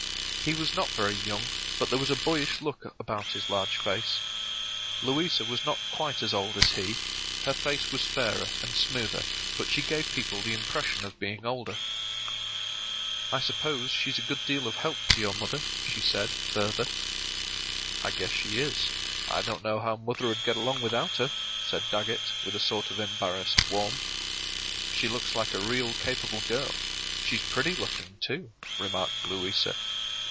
He was not very young, but there was a boyish look about his large face. Louisa was not quite as old as he, her face was fairer and smoother, but she gave people the impression of being older. “I suppose she's a good deal of help to your mother,” she said, further. “I guess she is; I don't know how mother'd get along without her,” said Dagget, with a sort of embarrassed warmth. “She looks like a real capable girl. She's pretty looking too,” remarked Louisa.